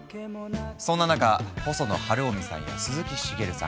そんな中細野晴臣さんや鈴木茂さん